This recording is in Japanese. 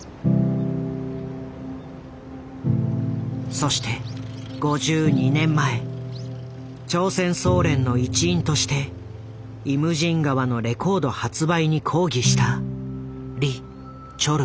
そして５２年前朝鮮総連の一員として「イムジン河」のレコード発売に抗議したリ・チョルウ。